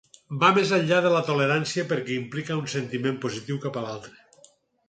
Va més enllà de la tolerància perquè implica un sentiment positiu cap a l'altre.